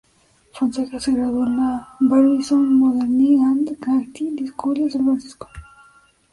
Fonseca se graduó en la Barbizon Modeling and Acting School de San Francisco.